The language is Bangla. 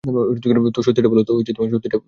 তো, সত্যিটা বল।